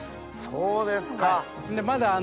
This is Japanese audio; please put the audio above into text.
そうですか。